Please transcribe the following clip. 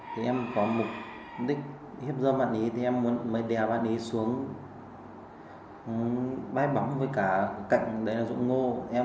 thì em có mục đích hiếp dơ bạn ấy thì em mới đèo bạn ấy xuống bái bóng với cả cạnh đấy là rụng ngô